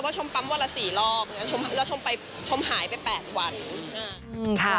ก็ชมปั๊มก็ละ๔รอบเนี่ยก็ชมหายไป๘วัน